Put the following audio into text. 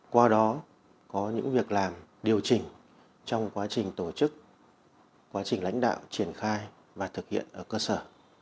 qua đó có những việc làm điều chỉnh trong quá trình tổ chức quá trình lãnh đạo triển khai và thực hiện ở cơ sở